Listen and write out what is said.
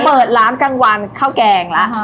เปิดร้านกลางวันข้าวแกงแล้ว